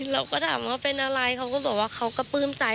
เราก็ถามว่าเป็นอะไรเขาก็บอกว่าเขาก็ปลื้มใจ